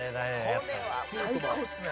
「これは最高ですね」